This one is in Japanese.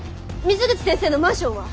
水口先生のマンションは？